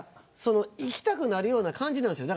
行きたくなるような感じなんですよ。